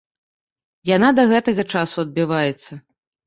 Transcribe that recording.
Яна да гэтага часу адбіваецца.